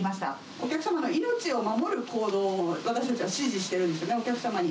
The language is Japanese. お客様の命を守る行動を、私たちは指示してるんですね、お客様に。